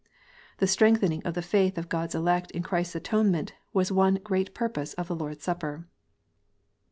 The strengthening of the faith of God s elect in Christ s atonement was one great purpose of the Lord s Supper.